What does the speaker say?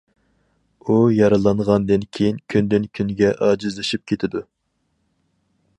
ئۇ يارىلانغاندىن كېيىن كۈندىن- كۈنگە ئاجىزلىشىپ كېتىدۇ.